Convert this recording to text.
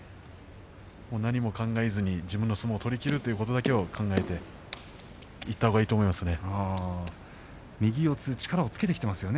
何も考えずに自分の相撲を取りきることだけを考えていったほうがいいと思いますね。